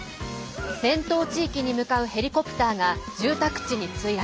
戦闘地域に向かうヘリコプターが住宅地に墜落。